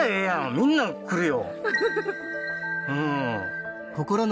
みんな来るよ